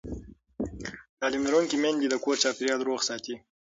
تعلیم لرونکې میندې د کور چاپېریال روغ ساتي.